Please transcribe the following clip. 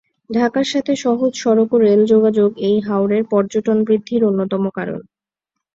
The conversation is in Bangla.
ঢাকার সাথে সহজ সড়ক ও রেল যোগাযোগ এই হাওরের পর্যটন বৃদ্ধির অন্যতম কারণ।